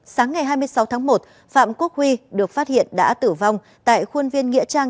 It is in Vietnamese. sáng ngày hai mươi sáu tháng một phạm quốc huy được phát hiện đã tử vong tại khuôn viên nghĩa trang